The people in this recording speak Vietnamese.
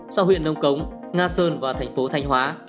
sau huyện nông cống nga sơn và thành phố thanh hóa